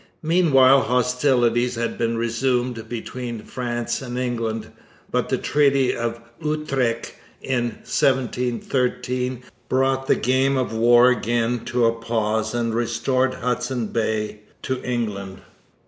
Meanwhile hostilities had been resumed between France and England; but the Treaty of Utrecht in 1713 brought the game of war again to a pause and restored Hudson Bay to England.